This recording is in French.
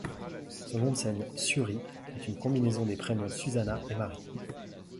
Son nom de scène SuRie est une combinaison des prénoms Susanna et Marie.